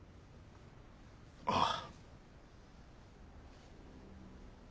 ああ。